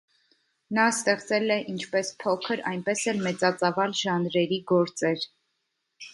Նա ստեղծել է ինչպես փոքր, այնպես էլ մեծածավալ ժանրերի գործեր։